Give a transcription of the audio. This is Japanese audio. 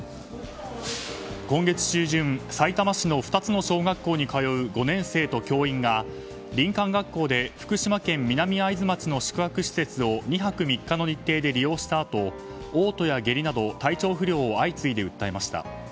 今月中旬、さいたま市の２つの小学校に通う５年生と教員が、林間学校で福島県南会津町の宿泊施設を２泊３日の日程で利用したあと嘔吐や下痢など体調不良を相次いで訴えました。